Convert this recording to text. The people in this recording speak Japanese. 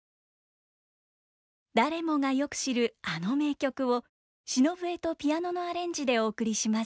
誰もがよく知るあの名曲を篠笛とピアノのアレンジでお送りします。